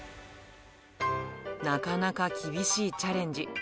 なかなか厳しいチャレンジ。